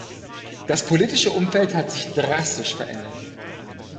Das politische Umfeld hat sich drastisch verändert.